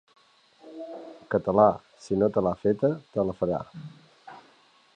Català, si no te l'ha feta, te la farà.